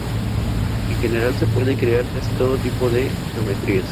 En general se pueden crear casi todo tipo de geometrías.